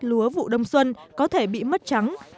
lúa vụ đông xuân có thể bị mất trắng